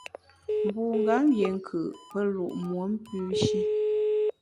Mbungam yié nkù’, pe lu’ muom pü shi.